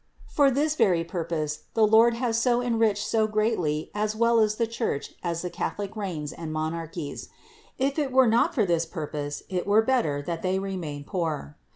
For this very pur pose the Lord has so enriched so greatly as well the Church as the Catholic reigns and monarchies. If it were not for this purpose, it were better that they remain poor.